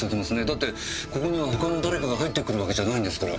だってここには他の誰かが入ってくるわけじゃないんですから。